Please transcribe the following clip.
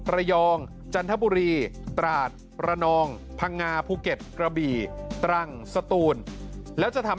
จันทบุรีตราดระนองพังงาภูเก็ตกระบี่ตรังสตูนแล้วจะทำ